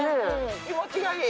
気持ちがいい。